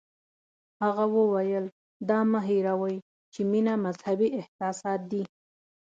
هغه وویل دا مه هیروئ چې مینه مذهبي احساسات دي.